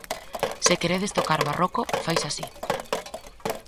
Se queredes tocar barroco, faise así.